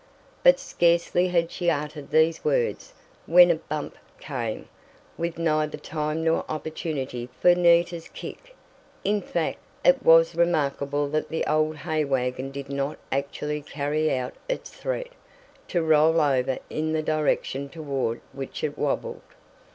But scarcely had she uttered these words, when a "bump" came, with neither time nor opportunity for Nita's "kick." In fact, it was remarkable that the old hay wagon did not actually carry out its threat, to roll over in the direction toward which it wobbled.